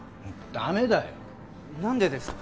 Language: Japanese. ダメだよ何でですか！？